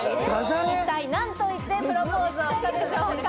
一体何と言ってプロポーズをしたでしょうか？